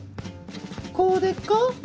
こうでっか？